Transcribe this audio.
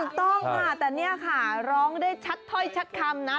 ถูกต้องค่ะแต่นี่ค่ะร้องได้ชัดถ้อยชัดคำนะ